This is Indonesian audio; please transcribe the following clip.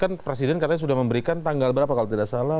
karena katanya sudah memberikan tanggal berapa kalau tidak salah